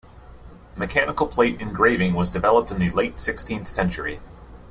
Mechanical plate engraving was developed in the late sixteenth century.